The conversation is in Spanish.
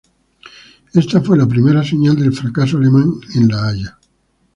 Esta fue la primera señal del fracaso alemán en La Haya.